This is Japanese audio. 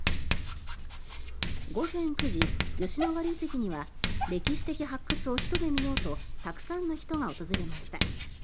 午前９時、吉野ヶ里遺跡には歴史的発掘をひと目見ようとたくさんの人が訪れました。